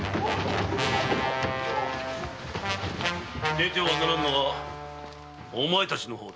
出てはならぬのはお前たちの方だ。